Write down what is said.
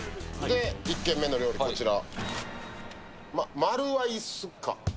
１軒目の料理、こちら。